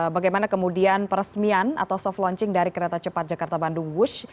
bagaimana kemudian peresmian atau soft launching dari kereta cepat jakarta bandung wush